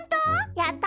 やった！